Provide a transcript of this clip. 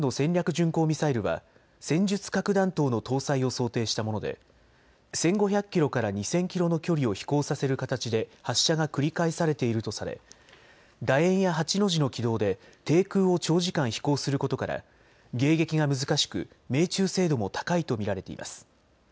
巡航ミサイルは戦術核弾頭の搭載を想定したもので１５００キロから２０００キロの距離を飛行させる形で発射が繰り返されているとされだ円や８の字の軌道で低空を長時間飛行することから迎撃が難しく命中精度も高いと見られています。